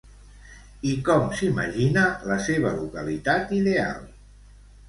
I com s'imagina la seva localitat ideal?